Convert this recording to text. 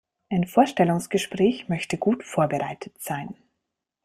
Ein Vorstellungsgespräch möchte gut vorbereitet sein.